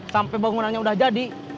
sampai bangunannya udah jadi